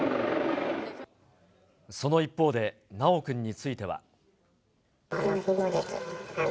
その一方で、修くんについてひもです。